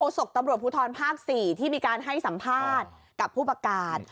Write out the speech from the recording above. ศกตำรวจภูทรภาค๔ที่มีการให้สัมภาษณ์กับผู้ประกาศ